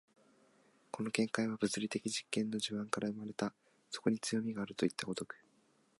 この見解は物理的実験の地盤から生まれた、そこに強味があるといった如く。